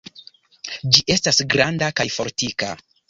Ĝi estas granda kaj fortika.